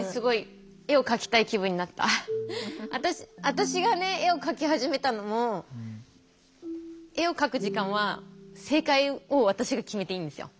私がね絵を描き始めたのも絵を描く時間は正解を私が決めていいんですよ。